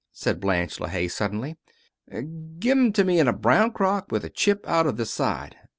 said Blanche LeHaye, suddenly. "Give 'em to me in a brown crock, with a chip out of the side.